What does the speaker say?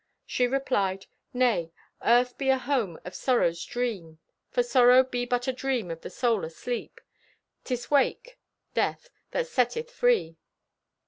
She replied: "Nay. Earth be a home of sorrow's dream. For sorrow be but dream of the soul asleep. 'Tis wake (death) that setteth free."